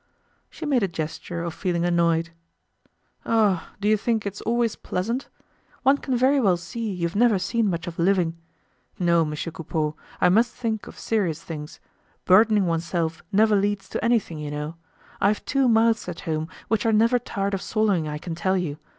She made a gesture of feeling annoyed. "Oh! do you think it's always pleasant? One can very well see you've never seen much of living. No, Monsieur Coupeau, I must think of serious things. Burdening oneself never leads to anything, you know! I've two mouths at home which are never tired of swallowing, I can tell you!